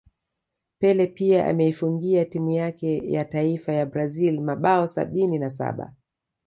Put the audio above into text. Pele pia ameifungia timu yake yataifa ya Brazil mabao sabini na Saba